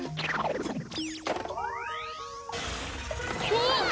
うわっ！